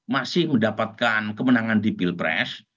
masih mendapatkan kemenangan di pilpres